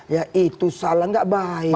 ya itu salah nggak bahaya